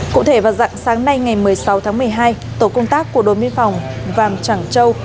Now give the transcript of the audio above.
cụ thể vào dặn sáng nay ngày một mươi sáu tháng một mươi hai tổ công tác của đội biên phòng vàng trẳng châu